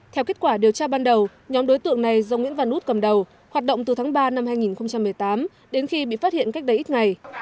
theo kết quả điều tra ban đầu nhóm đối tượng này do nguyễn văn út cầm đầu hoạt động từ tháng ba năm hai nghìn một mươi tám đến khi bị phát hiện cách đây ít ngày